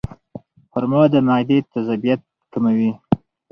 خرما د معدې تیزابیت کموي.